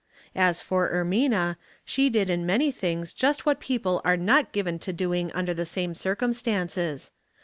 As for Ermina, she did in many things just what people are not given to doing under the same circumstances.